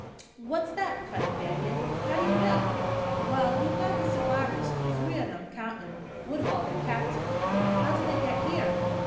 "What's that?" cut in Banion. "How do you know?" "Well, we've got the survivors three o' them, countin' Woodhull, their captain." "How did they get here?"